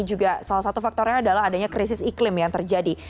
juga salah satu faktornya adalah adanya krisis iklim yang terjadi